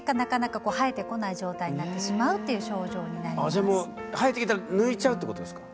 あじゃあもう生えてきたら抜いちゃうってことですか？